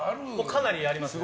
かなりありますね。